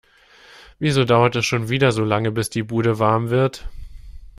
Wieso dauert es schon wieder so lange, bis die Bude warm wird?